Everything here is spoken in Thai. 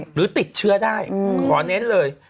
หรือติดเชื้อได้ขอเน้นเลย